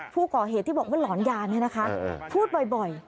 ผู้ก่อเหตุที่บอกว่าหลอนยาเนี่ยนะคะพูดบ่อย